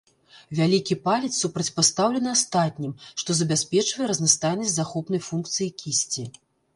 Вялікі палец супрацьпастаўлены астатнім, што забяспечвае разнастайнасць захопнай функцыі кісці.